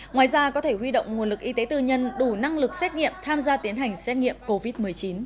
ngoài ra có thể huy động nguồn lực y tế tư nhân đủ năng lực xét nghiệm tham gia tiến hành xét nghiệm covid một mươi chín